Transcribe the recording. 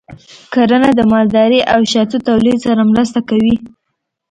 کرنه د مالدارۍ او شاتو تولید سره مرسته کوي.